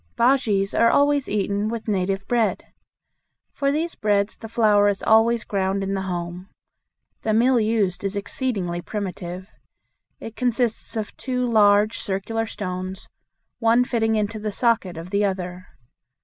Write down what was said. Bujeas are always eaten with native bread. For these breads the flour is always ground in the home. The mill used is exceedingly primitive. It consists of two large circular stones, one fitting into the socket of the other.